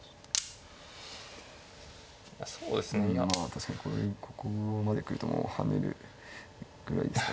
確かにここまで来るともう跳ねるぐらいですかね